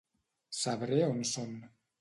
Sabré on són.